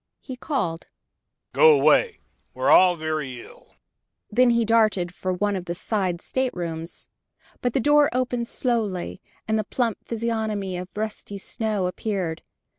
He called: "Go away we're all very ill!" Then he darted for one of the side staterooms. But the door opened slowly, and the plump physiognomy of Rusty Snow appeared.